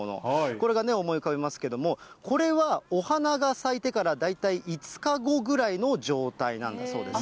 これが思い浮かびますけれども、これはお花が咲いてから大体５日後ぐらいの状態なんだそうです。